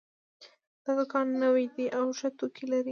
دا دوکان نوی ده او ښه توکي لري